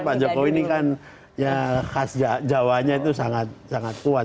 pak jk ini kan khas jawanya itu sangat kuat